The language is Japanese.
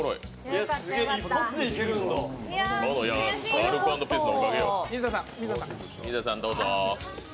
アルコ＆ピースのおかげや。